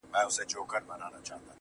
د جهنم وروستۍ لمحه ده او څه ستا ياد دی